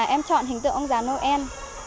em chọn hình tượng ông già noel